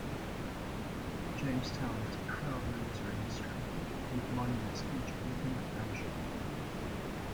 Jamestown has proud military history, with monuments featured within the township.